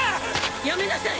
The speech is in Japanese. やめなさい！